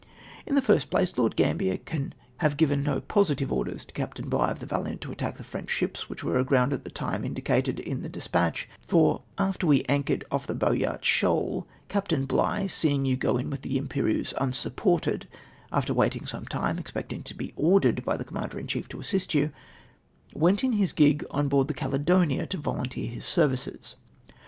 In the first place. Lord Grambier can have given no positive orders to Capt. Bligh of the Vcdiant to attack the French ships which were aground at the time indicated in the de spatch, for after we had anchored off the Boyart Shoal, Capt. Bligh, seeing you go in with the Imperieuse unsupported (after waiting some time, exjDecting to be ordered by the Commander in chief to assist you) went in his gig on board the Ccdedonia to voluideer his services.